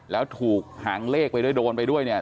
แล้วถูกหางเลขไปด้วยโดนไปด้วยเนี่ย